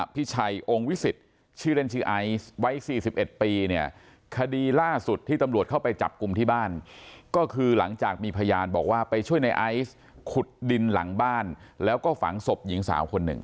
พี่ชัยองค์วิสิตชื่อเล่นชื่อไอซ์วัย๔๑ปีเนี่ยคดีล่าสุดที่ตำรวจเข้าไปจับกลุ่มที่บ้านก็คือหลังจากมีพยานบอกว่าไปช่วยในไอซ์ขุดดินหลังบ้านแล้วก็ฝังศพหญิงสาวคนหนึ่ง